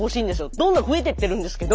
どんどん増えてってるんですけど。